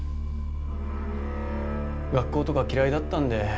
学校とか嫌いだったんで。